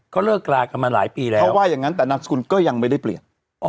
ก็เลิกลากันมาหลายปีแล้วเขาว่าอย่างนั้นแต่นามสกุลก็ยังไม่ได้เปลี่ยน